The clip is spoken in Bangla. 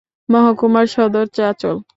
মহকুমার সদর চাঁচল।